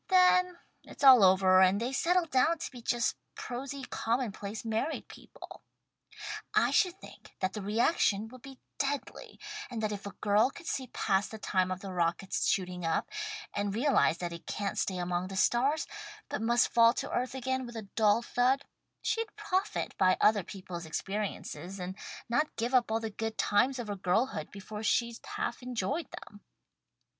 Then it's all over and they settle down to be just prosy common place married people. I should think that the reaction would be deadly, and that if a girl could see past the time of the rocket's shooting up, and realize that it can't stay among the stars, but must fall to earth again with a dull thud, she'd profit by other people's experiences, and not give up all the good times of her girlhood before she'd half enjoyed them."